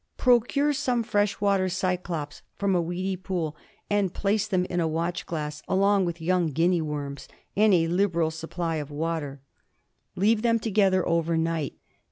Procure some fresh water Cyclops from a weedy pool and place them in a watch glass, along with the young Guinea worms and a liberal supply of water. Leave them together overnight.